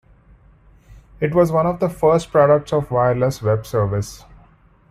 It was one of the first products of wireless web service.